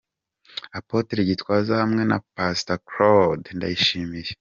Apotre Gitwaza hamwe na Pastor Claude Ndayishimiye.